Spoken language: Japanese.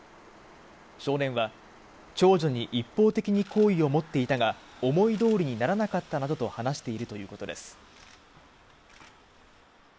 少年は長女に一方的に好意を持っていたが思い通りにならなかったなどと話しているということです。